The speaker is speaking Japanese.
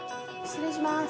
失礼します。